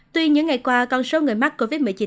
tuy những ngày qua con số người mắc covid một mươi chín